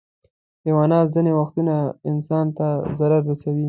حیوانات ځینې وختونه انسان ته ضرر رسوي.